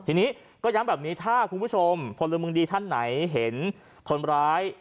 ทีนี้ก็ย้ำแบบนี้ถ้าคุณผู้ชมพลเมืองดีท่านไหนเห็นคนร้าย